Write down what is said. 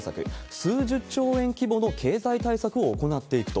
数十兆円規模の経済対策を行っていくと。